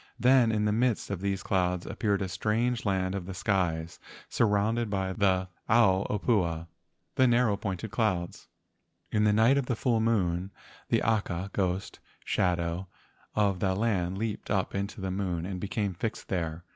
Then in the midst of these clouds appeared a strange land of the skies sur¬ rounded by the ao opua (the narrow pointed clouds). In the night of the full moon, the aka (ghost) shadow of that land leaped up into the moon and became fixed there.